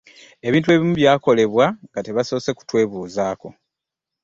Ebintu ebimu byakolebwa nga tebasoose kutwebuuzaako.